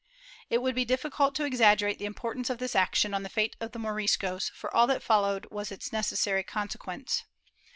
^ It would be difficult to exaggerate the importance of this action on the fate of the Moriscos, for all that followed was its necessary consequence.